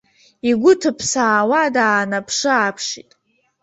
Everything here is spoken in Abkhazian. Игәы ҭыԥсаауа даанаԥшы-ааԥшит.